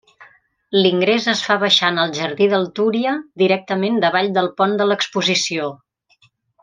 L'ingrés es fa baixant al Jardí del Túria, directament davall del pont de l'Exposició.